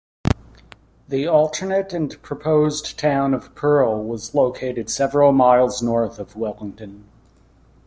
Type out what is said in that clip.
The alternate and proposed town of Pearl was located several miles north of Wellington.